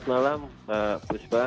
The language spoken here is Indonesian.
selamat malam mbak fusba